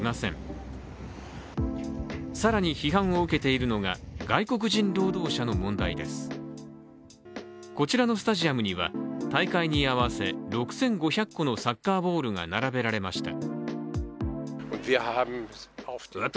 こちらのスタジアムでは大会に合わせこちらのスタジアムには、大会に合わせ６５００個のサッカーボールが並べられました。